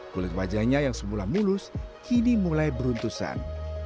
kulit wajahnya yang semula mulus kini mulai beruntusan